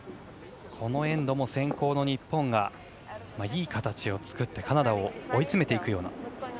このエンドも先攻の日本がいい形を作ってカナダを追い詰めていくような。